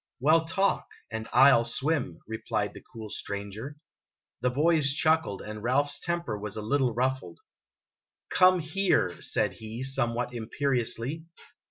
"Well, talk, and I '11 swim," replied the cool stranger. The boys chuckled, and Ralph's temper was a little ruffled. " Come here !" said he, somewhat imperiously.